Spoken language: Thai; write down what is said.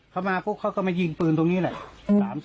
เขามาปุ๊บเขาก็มายิงปืนตรงนี้แหละ